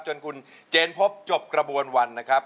จนคุณเจนพบจบกระบวนวันนะครับ